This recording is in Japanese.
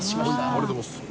ありがとうございます。